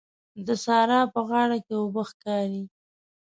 د سارا په غاړه کې اوبه ښکاري.